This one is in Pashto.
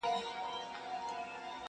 و غزل ته مي الهام سي ستا غزل غزل خبري,